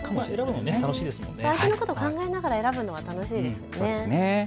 相手のことを考えながら選ぶのは楽しいですね。